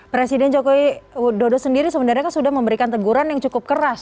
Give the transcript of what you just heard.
presiden jokowi dodo sendiri sebenarnya kan sudah memberikan teguran yang cukup keras